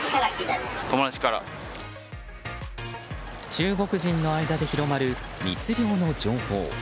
中国人の間で広まる密漁の情報。